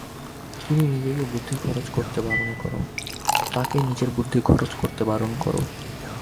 তাকে নিজের বুদ্ধি খরচ করতে বারণ করো।